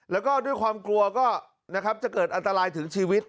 แล้วก็ด้วยความกลัวก็นะครับจะเกิดอันตรายถึงชีวิต